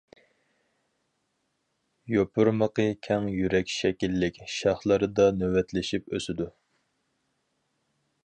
يوپۇرمىقى كەڭ يۈرەك شەكىللىك، شاخلىرىدا نۆۋەتلىشىپ ئۆسىدۇ.